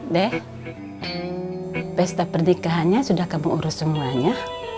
dek pesta pernikahannya sudah kamu urus semuanya